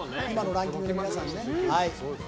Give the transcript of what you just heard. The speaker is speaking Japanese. ランキングの皆さんね。